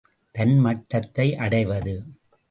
தன் மட்டத்தை அடைவது.